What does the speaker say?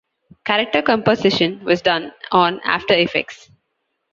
Character composition was done on After Effects.